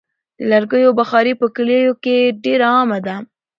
د لرګیو بخاري په کلیو کې ډېره عامه ده.